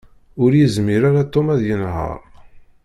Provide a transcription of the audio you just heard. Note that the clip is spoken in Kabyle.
Ur yezmir ara Tom ad yenheṛ.